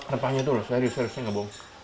repahnya itu loh serius seriusnya nggak bohong